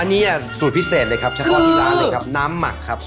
อันนี้สูตรพิเศษเลยครับเฉพาะที่ร้านเลยครับน้ำหมักครับ